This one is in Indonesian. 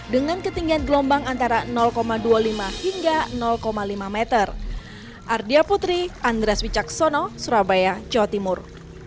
dengan ketinggian gelombang antara dua puluh lima hingga lima meter